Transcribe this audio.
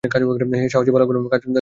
হে সাহসী বালকগণ, কাজ করে যাও।